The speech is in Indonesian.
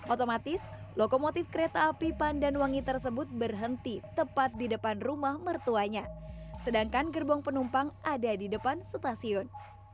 otomatis lokomotif kereta api pandanwangi tersebut berhenti tepat di depan rumah mertuanya sedangkan gerbong penumpang ada di depan stasiun